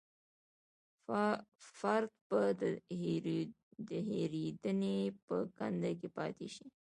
فرد به د هېرېدنې په کنده کې پاتې شي.